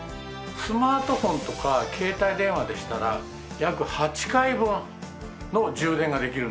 スマートフォンとか携帯電話でしたら約８回分の充電ができるんですね。